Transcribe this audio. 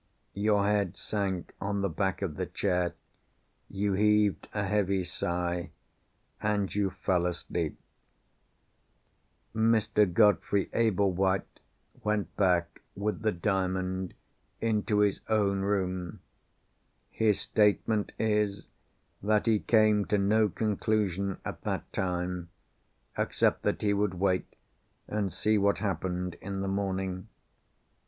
Your head sank on the back of the chair—you heaved a heavy sigh—and you fell asleep. Mr. Godfrey Ablewhite went back, with the Diamond, into his own room. His statement is, that he came to no conclusion, at that time—except that he would wait, and see what happened in the morning.